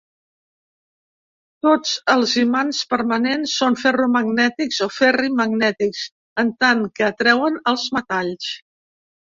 Tots els imants permanents són ferromagnètics o ferrimagnètics, en tant que atreuen els metalls.